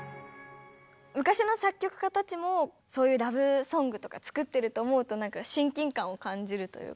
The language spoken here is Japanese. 昔の作曲家たちもそういうラブソングとか作ってると思うとなんか親近感を感じるというか。